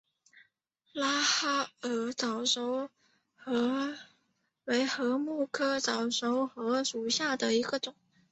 拉哈尔早熟禾为禾本科早熟禾属下的一个种。